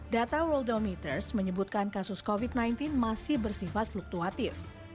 data world dow meaters menyebutkan kasus covid sembilan belas masih bersifat fluktuatif